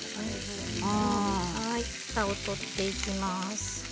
わたを取っていきます。